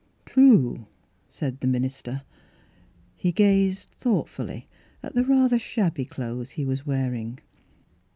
" True," said the minister. He gazed thoughtfully at the rather shabby clothes he was wearing.